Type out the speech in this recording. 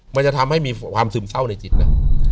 มันจะทำให้มีความซึมเศร้าในจิตนะ